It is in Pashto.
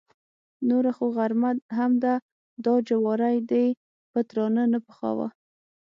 نوره خو غرمه هم ده، دا جواری دې په تناره نه پخاوه.